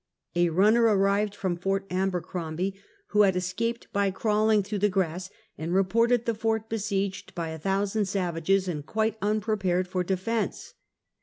A runner arrived from Ft. Abercrombie, who^had es caped by crawling through the grass, and reported the Fort besieged by a thousand savages, and quite unpre pared for defense.